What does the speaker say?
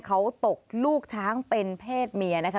เขาตกลูกช้างเป็นเพศเมียนะคะ